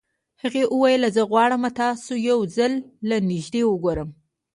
هغې وويل زه غواړم تاسو يو ځل له نږدې وګورم.